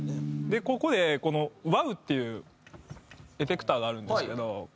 でここでこのワウっていうエフェクターがあるんですけど。